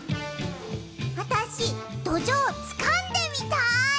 あたしどじょうつかんでみたい！